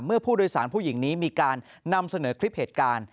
เมื่อผู้โดยสารผู้หญิงนี้มีการนำเสนอคลิปเหตุการณ์